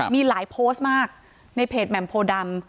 มีหลายโพสต์มากในเพจแหม่มโพดำ